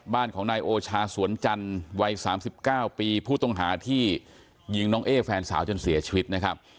บ้านของนายโอชาสวนจันทร์วัย๓๙ปีผู้ต้องหาที่ยิงน้องเอ๊แฟนสาวจนเสียชีวิตนะครับ